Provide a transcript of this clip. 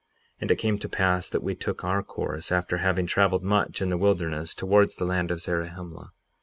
And it came to pass that we took our course, after having traveled much in the wilderness towards the land of Zarahemla.